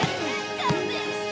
勘弁して！